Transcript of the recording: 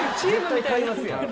絶対買いますやん。